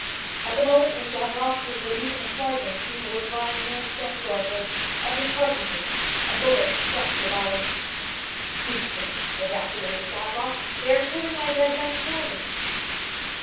At the moment when Gavroche was relieving a sergeant, who was lying near a stone door post, of his cartridges, a bullet struck the body. "Fichtre!" ejaculated Gavroche. "They are killing my dead men for me."